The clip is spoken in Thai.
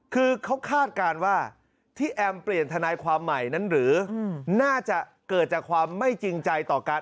คือเขาคาดการณ์ว่าที่แอมเปลี่ยนทนายความใหม่นั้นหรือน่าจะเกิดจากความไม่จริงใจต่อการ